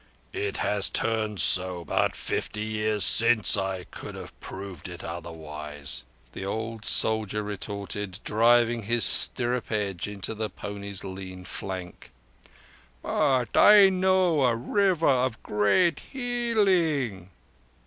"It has turned so; but fifty years since I could have proved it otherwise," the old soldier retorted, driving his stirrup edge into the pony's lean flank. "But I know a River of great healing."